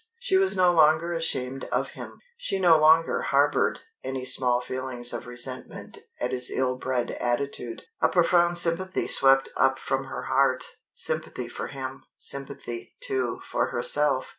She was no longer ashamed of him. She no longer harbored any small feelings of resentment at his ill bred attitude. A profound sympathy swept up from her heart sympathy for him, sympathy, too, for herself.